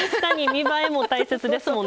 見栄えも大切ですもんね。